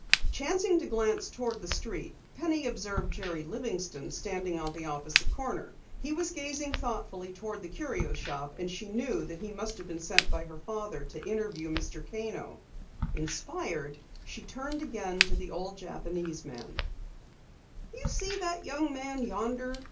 Chancing to glance toward the street, Penny observed Jerry Livingston standing on the opposite corner. He was gazing thoughtfully toward the Curio Shop, and she knew that he must have been sent by her father to interview Mr. Kano. Inspired, she turned again to the old Japanese. "You see that young man yonder?"